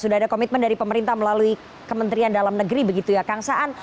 sudah ada komitmen dari pemerintah melalui kementerian dalam negeri begitu ya kang saan